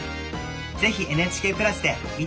是非「ＮＨＫプラス」で見て下さい。